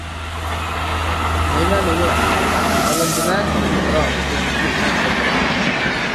-نېمە؟ نومۇر ئالامدىمەن؟ -توغرا، ئۇدۇلدىكى ئوڭ قول تەرەپتە.